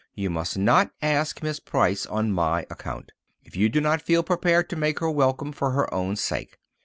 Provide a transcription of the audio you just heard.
"You must not ask Miss Price on my account, if you do not feel prepared to make her welcome for her own sake.